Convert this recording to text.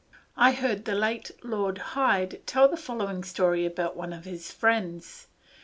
I heard the late Lord Hyde tell the following story about one of his friends.